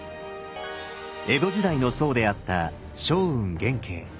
江戸時代の僧であった松雲元慶。